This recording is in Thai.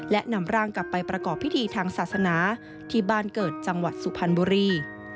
และนำร่างกลับไปประกอบพิธีทางศาสนาที่บ้านเกิดจังหวัดสุพรรณบุรี